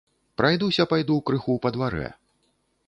Прайдуся пайду крыху па дварэ.